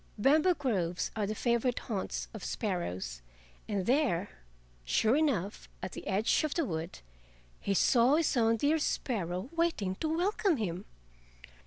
Bamboo groves are the favorite haunts of sparrows, and there sure enough at the edge of the wood he saw his own dear sparrow waiting to welcome him.